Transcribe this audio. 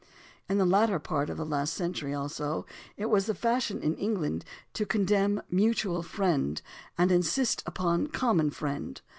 ^ In the latter part of the last century, also, it was the fashion in England to condemn "mutual friend" and insist upon "common friend."